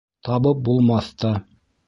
Табып булмаҫ та.